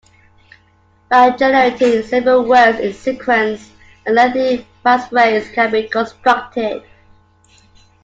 By generating several words in sequence, a lengthy passphrase can be constructed.